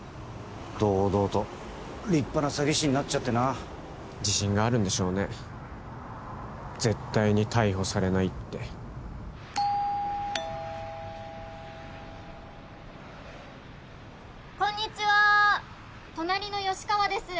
堂々と立派な詐欺師になっちゃってな自信があるんでしょうね絶対に逮捕されないってこんにちは隣の吉川です